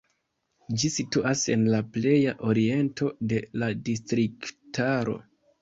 Ĝi situas en la pleja oriento de la distriktaro.